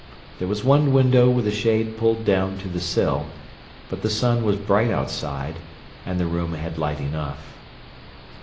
There was one window with the shade pulled down to the sill, but the sun was bright outside, and the room had light enough.